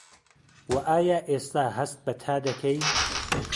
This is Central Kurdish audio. وه ئایا ئێستا هەست بە تا دەکەی؟